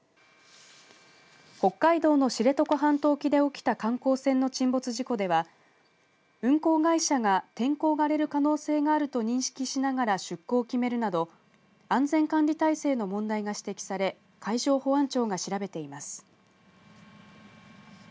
北海道の知床半島沖で起きた観光船の沈没事故では運航会社が天候が荒れる可能性があると認識しながら出航を決めるなど安全管理体制の問題が指摘され海上保安庁が調べています。